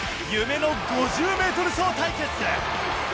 夢の５０ｍ走対決